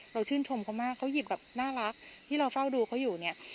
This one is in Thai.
ชื่นชมเขามากเขาหยิบแบบน่ารักที่เราเฝ้าดูเขาอยู่เนี่ย